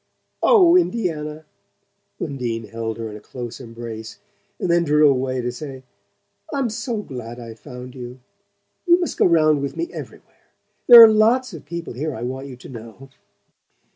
"Oh, Indiana!" Undine held her in a close embrace, and then drew away to say: "I'm so glad I found you. You must go round with me everywhere. There are lots of people here I want you to know."